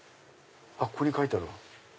ここに書いてある。